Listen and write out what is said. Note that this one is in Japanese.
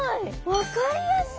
分かりやすい！